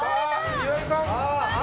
岩井さん